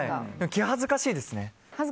気恥ずかしいですね。